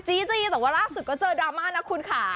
จริงแต่ว่าล่าสุดก็เจอดราม่านะคุณค่ะ